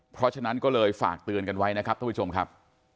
เพราะฉะนั้นก็เลยฝากเตือนกันไว้นะครับท่านผู้ชมครับ